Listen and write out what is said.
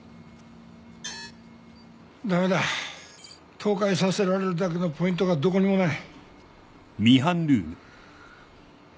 倒壊させられるだけのポイントがどこにもない。